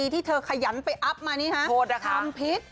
ที่เธอขยันไปอัพมานี่ฮะโทษนะคะทำพิษ